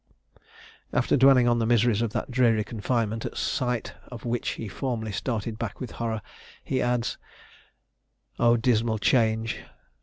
After dwelling on the miseries of that dreary confinement, at sight of which he formerly started back with horror, he adds, "O dismal change!